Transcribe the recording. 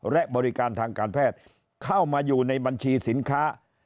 และบริการทางการแพทย์เข้ามาอยู่ในบัญชีสินค้า